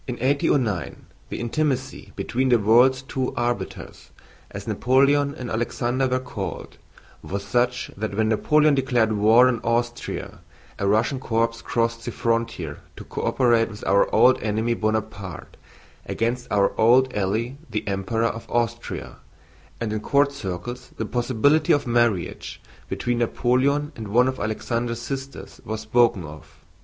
CHAPTER XXII In 1809 the intimacy between "the world's two arbiters," as Napoleon and Alexander were called, was such that when Napoleon declared war on Austria a Russian corps crossed the frontier to co operate with our old enemy Bonaparte against our old ally the Emperor of Austria, and in court circles the possibility of marriage between Napoleon and one of Alexander's sisters was spoken of.